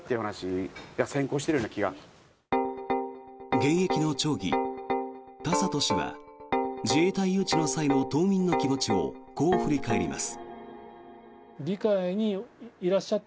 現役の町議、田里氏は自衛隊誘致の際の島民の気持ちをこう振り返ります。